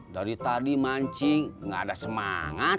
dari tadi mancing gak ada semangat